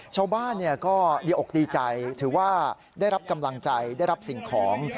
ชาวบ้านก็ดีอกดีใจถือว่าได้รับกำลังใจได้รับสิ่งของ